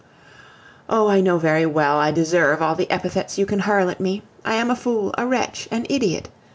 Oh! I know very well I deserve all the epithets you can hurl at me. I am a fool, a wretch, an idiot.